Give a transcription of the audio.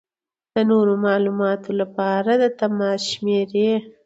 د نورو معلومات لپاره د تماس شمېرې: